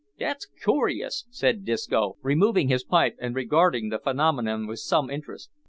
"That's coorious," said Disco, removing his pipe, and regarding the phenomenon with some interest.